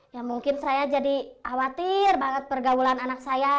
ya mungkin saya jadi khawatir banget pergaulan anak saya